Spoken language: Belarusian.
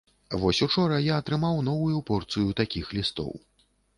Вось учора я атрымаў новую порцыю такіх лістоў.